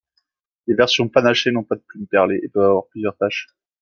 Les versions panachées n'ont pas de plumes perlées et peuvent avoir plusieurs taches.